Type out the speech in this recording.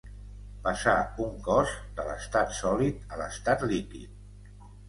Passar, un cos, de l'estat sòlid a l'estat líquid.